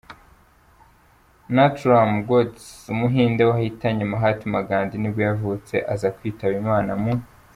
Nathuram Godse, umuhinde wahitanye Mahatma Gandhi, nibwo yavutse, aza kwitaba Imana mu .